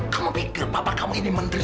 kamu pikir bapak kamu ini menteri